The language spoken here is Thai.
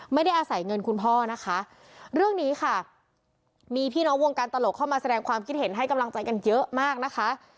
ไม่ได้อาศัยเงินคุณพ่อนะคะเรื่องนี้ค่ะมีพี่น้องวงการตลกเข้ามาแสดงความคิดเห็นให้กำลังใจกันเยอะมากนะคะ